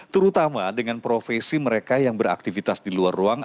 terutama dengan profesi mereka yang beraktivitas di luar ruang